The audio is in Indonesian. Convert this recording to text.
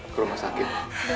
ke rumah sakit